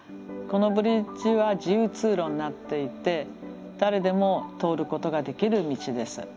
このブリッジは自由通路になっていて誰でも通ることができる道です。